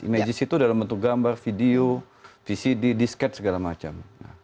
images itu dalam bentuk gambar video vcd diskette segala macam